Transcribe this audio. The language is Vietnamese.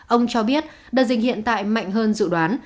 ông cho biết đợt dịch hiện tại mạnh hơn dự đoán